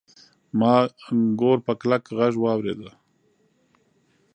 ما ګور په کلک غږ واورېد.